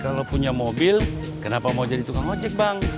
kalau punya mobil kenapa mau jadi tukang ojek bang